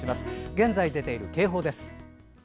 現在出ている警報です。